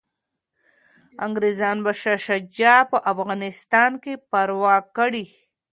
انګریزان به شاه شجاع په افغانستان کي پرواک کړي.